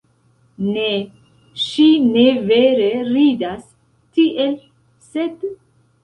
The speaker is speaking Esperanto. Ne, ŝi ne vere ridas tiel, sed...